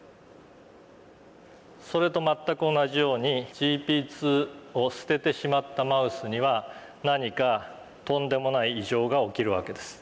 それと全く同じようにＧＰ２を捨ててしまったマウスには何かとんでもない異常が起きるわけです。